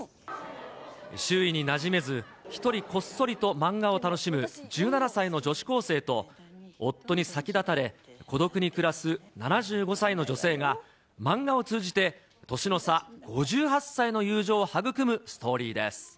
周囲になじめず１人こっそりと漫画を楽しむ１７歳の女子高生と、夫に先立たれ、孤独に暮らす７５歳の女性が、漫画を通じて年の差５８歳の友情を育むストーリーです。